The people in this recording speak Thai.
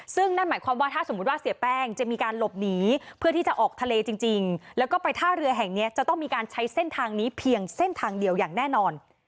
ซึ่งนั่นหมายความว่าถ้าสมมุติว่าเสียแป้งจะมีการหลบหนีเพื่อที่จะออกทะเลจริงแล้วก็ไปท่าเรือแห่งนี้จะต้องมีการใช้เส้นทางนี้เพียงเส้นทางเดียวอย่างแน่นอน